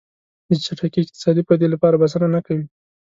د چټکې اقتصادي ودې لپاره بسنه نه کوي.